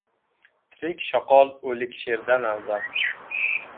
• Tirik shoqol o‘lik sherdan afzal.